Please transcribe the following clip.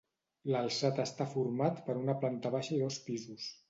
L'alçat està format per una planta baixa i dos pisos.